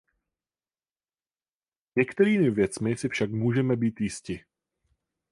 Některými věcmi si však můžeme být jisti.